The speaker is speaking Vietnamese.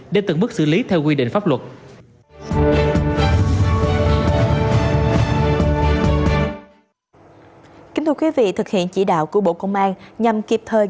để từng mức xử lý theo quy định pháp luật